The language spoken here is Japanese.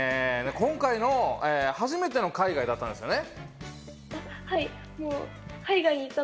今回、初めての海外だったんですね？